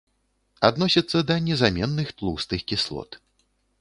Адносіцца да незаменных тлустых кіслот.